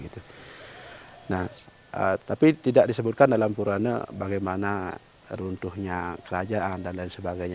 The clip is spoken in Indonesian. tapi tidak disebutkan dalam purana bagaimana runtuhnya kerajaan dan sebagainya